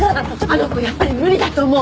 あの子やっぱり無理だと思う。